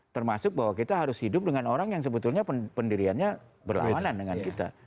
termasuk bahwa kita harus hidup dengan orang yang sebetulnya pendiriannya berlawanan dengan kita